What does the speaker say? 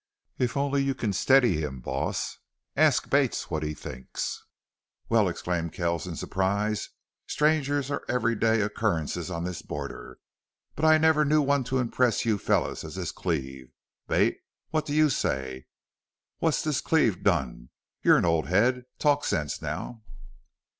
If only you can steady him, boss! Ask Bate what he thinks." "Well!" exclaimed Kells in surprise. "Strangers are everyday occurrences on this border. But I never knew one to impress you fellows as this Cleve.... Bate, what do you say? What's this Cleve done? You're an old head. Talk, sense, now."